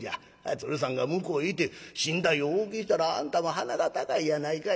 鶴さんが向こうへ行て身代をお受けしたらあんたも鼻が高いやないかいな。